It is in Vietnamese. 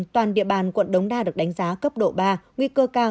toàn địa bàn quận đống đa được đánh giá cấp độ ba nguy cơ cao